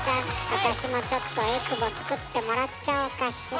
私もちょっとえくぼつくってもらっちゃおうかしら。